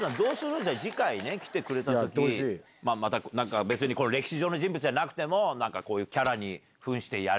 じゃあ次回来てくれた時別に歴史上の人物じゃなくても何かキャラに扮してやる？